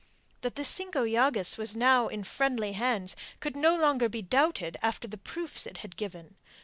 That the Cinco Llagas was now in friendly hands could no longer be doubted after the proofs it had given.